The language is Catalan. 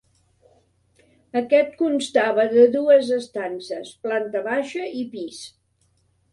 Aquest constava de dues estances, planta baixa i pis.